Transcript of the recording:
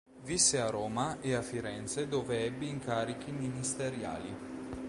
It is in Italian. Visse a Roma e a Firenze dove ebbe incarichi ministeriali.